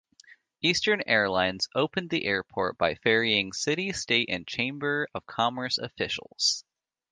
Eastern Airlines opened the airport by ferrying city, state and chamber of commerce officials.